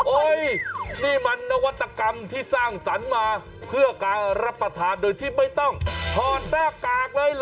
นี่มันนวัตกรรมที่สร้างสรรค์มาเพื่อการรับประทานโดยที่ไม่ต้องถอดหน้ากากเลยเหรอ